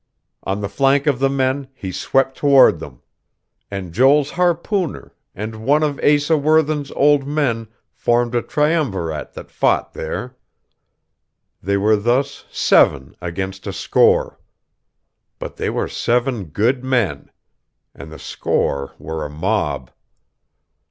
On the flank of the men, he swept toward them. And Joel's harpooner, and one of Asa Worthen's old men formed a triumvirate that fought there.... They were thus seven against a score. But they were seven good men. And the score were a mob....